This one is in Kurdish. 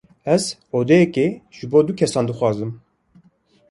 Ez odeyeke ji bo du kesan dixwazim.